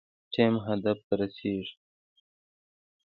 ټیم هدف ته رسیږي